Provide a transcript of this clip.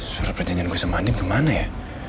surat perjanjian gue sama andien kemana ya